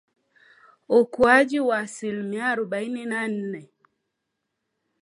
Ukuaji wa asilimia arobaini na nne